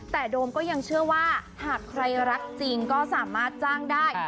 แต่โดมก็ยังเชื่อว่าหากใครรักจริงก็สามารถจ้างได้